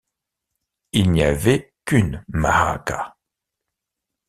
Il n'y avait qu'une Maacah.